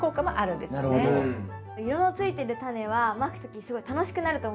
色のついてるタネはまく時すごい楽しくなると思うんですよね。